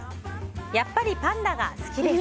やっぱりパンダが好き！です。